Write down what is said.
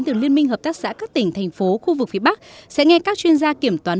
từ liên minh hợp tác xã các tỉnh thành phố khu vực phía bắc sẽ nghe các chuyên gia kiểm toán